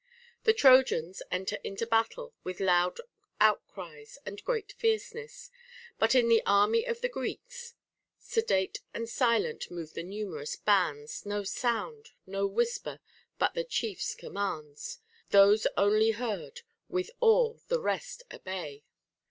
The Trojans enter into battle with loud outcries and great fierceness ; but in the army of the Greeks, Sedate and silent move the numerous bands ; No sound, no whisper, but the chief's commands ; Those only heard, with awe the rest obey.